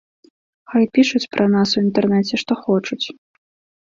Хай пішуць пра нас у інтэрнэце што хочуць.